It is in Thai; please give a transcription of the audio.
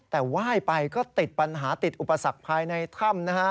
แต่ว่ายไปก็ติดปัญหาติดอุปสรรคภายในถ้ำนะฮะ